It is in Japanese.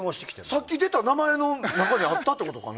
さっき出た名前の中にあったのかな？